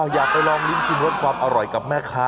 อยากไปลองกินอร่อยกับแม่คะ